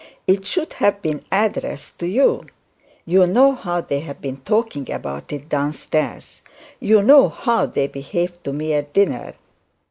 It should have been addressed to you. You know how they have been talking about it downstairs. You know how they behaved to me at dinner.